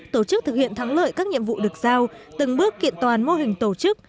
tổ chức thực hiện thắng lợi các nhiệm vụ được giao từng bước kiện toàn mô hình tổ chức